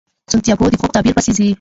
سانتیاګو د خوب تعبیر پسې ځي.